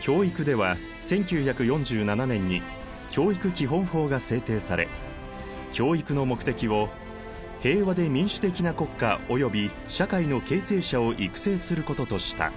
教育では１９４７年に教育基本法が制定され教育の目的を平和で民主的な国家及び社会の形成者を育成することとした。